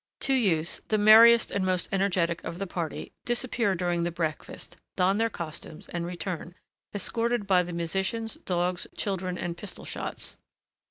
Two youths the merriest and most energetic of the party disappear during the breakfast, don their costumes, and return, escorted by the musicians, dogs, children, and pistol shots.